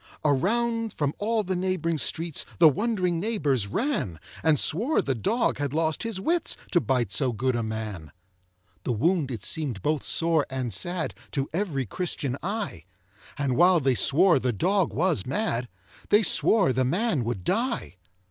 Around from all the neighboring streets The wond'ring neighbors ran, And swore the dog had lost his wits, To bite so good a man. The wound it seem'd both sore and sad To every Christian eye; And while they swore the dog was mad, They swore the man would die.